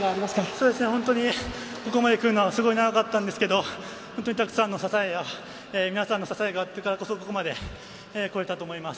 そうですね、本当にここまで来るのは、すごい長かったんですけど、本当にたくさんの支えや、皆さんの支えがあったからこそここまで来れたと思います。